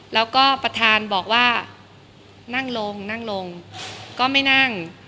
แล้วก็ประธานบอกว่านั่งลงนั่งลงก็ไม่นั่ง